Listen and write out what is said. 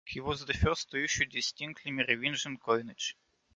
He was the first to issue distinctly Merovingian coinage.